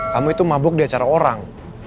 kamu itu mabuk di acara orang